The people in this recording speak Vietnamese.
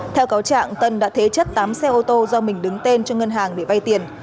theo cáo trạng tân đã thế chất tám xe ô tô do mình đứng tên cho ngân hàng để vay tiền